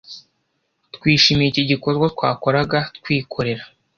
Twishimiye iki gikorwa twakoraga twikorera